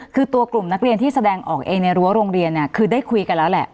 คือตัวกลุ่มนักเรียนที่แสดงออกเองในรั้วโรงเรียนเนี่ยคือได้คุยกันแล้วแหละ